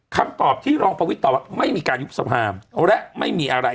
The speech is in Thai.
คำตอบที่รองประวิทย์ตอบว่าไม่มีการยุบสภาและไม่มีอะไร